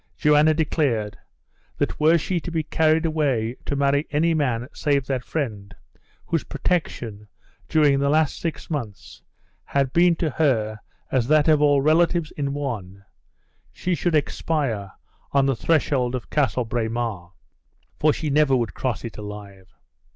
Joanna declared, that were she to be carried away to marry any man save that friend, whose protection, during the last six months, had been to her as that of all relatives in one, she should expire on the threshold of Castle Braemer, for she never would cross it alive!